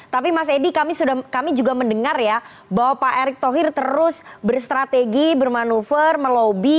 tapi mas edi kami juga mendengar ya bahwa pak erick thohir terus berstrategi bermanuver melobi